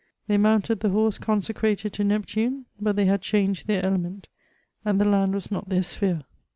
They mounted the horse consecrated to Neptune, but they had changed their element, and the land was not their sphere.